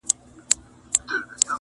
هم زړه سواندی هم د ښه عقل څښتن وو.!